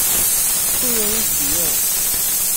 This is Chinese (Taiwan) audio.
不容易使用